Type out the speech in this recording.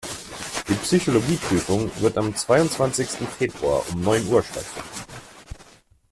Die Psychologie-Prüfung wird am zweiundzwanzigsten Februar um neun Uhr stattfinden.